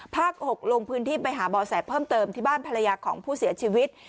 ๖ลงพื้นที่ไปหาบ่อแสเพิ่มเติมที่บ้านภรรยาของผู้เสียชีวิต